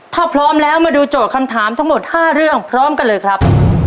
ถ้าพร้อมแล้วมาดูโจทย์คำถามทั้งหมด๕เรื่องพร้อมกันเลยครับ